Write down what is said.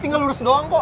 tinggal lurus doang kok